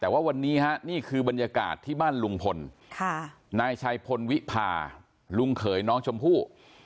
วันนี้นี่คือบรรยากาศที่บ้านลุงพลค่ะนายชายพลวิภาลุงเขยน้องชมพู่